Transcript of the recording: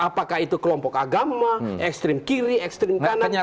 apakah itu kelompok agama ekstrim kiri ekstrim kanannya